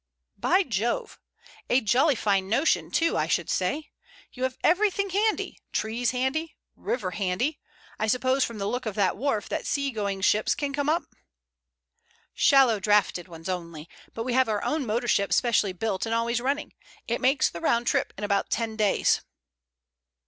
"By Jove! A jolly fine notion, too, I should say. You have everything handy—trees handy, river handy—I suppose from the look of that wharf that sea going ships can come up?" "Shallow draughted ones only. But we have our own motor ship specially built and always running. It makes the round trip in about ten days."